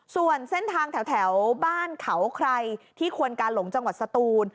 ส่วนเส้นทางแถวบ้านเขาใครที่ควนกาหลงจังหวัดสตูน